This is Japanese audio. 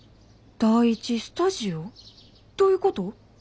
第１スタジオ？どういうこと？